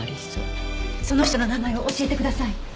その人の名前を教えてください。